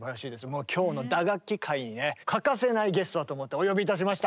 もう今日の「打楽器」回にね欠かせないゲストだと思ってお呼びいたしました。